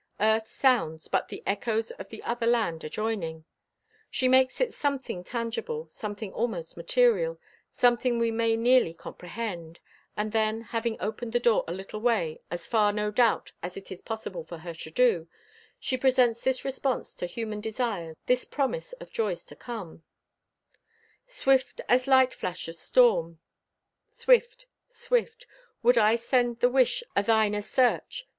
Earth sounds but the echoes of the other land adjoining! She makes it something tangible, something almost material, something we may nearly comprehend; and then, having opened the door a little way, as far, no doubt, as it is possible for her to do, she presents this response to human desires, this promise of joys to come: Swift as light flash o' storm, swift, swift, Would I send the wish o' thine asearch.